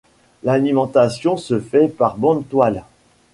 L'alimentation se fait par bande toile.